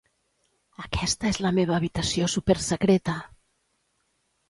Aquesta és la meva habitació supersecreta.